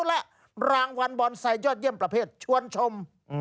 และรางวัลบอนไซค์ยอดเยี่ยมประเภทชวนชม